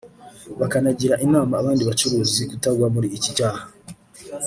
bakanagira inama abandi bacuruzi kutagwa muri iki cyaha